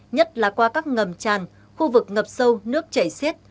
nhất là qua các ngầm tràn khu vực ngập sâu nước chảy xiết